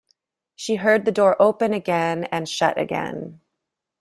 She heard the door open again and shut again.